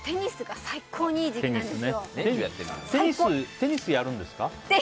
テニスやるんですか？